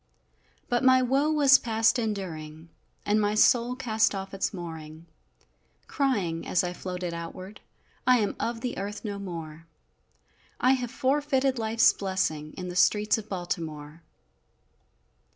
But my woe was past enduring, And my soul cast off its mooring, Crying, as I floated outward, "I am of the earth no more! I have forfeited life's blessing In the streets of Baltimore!"